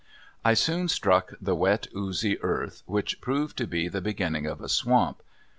I soon struck the wet, oozy earth, which proved to be the beginning of a swamp.